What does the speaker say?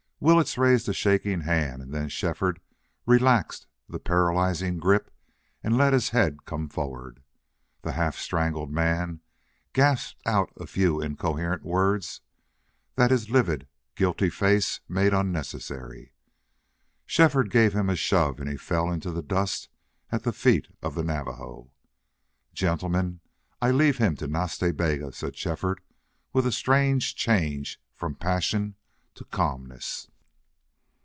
Willetts raised a shaking hand and then Shefford relaxed the paralyzing grip and let his head come forward. The half strangled man gasped out a few incoherent words that his livid, guilty face made unnecessary. Shefford gave him a shove and he fell into the dust at the feet of the Navajo. "Gentlemen, I leave him to Nas Ta Bega," said Shefford, with a strange change from passion to calmness.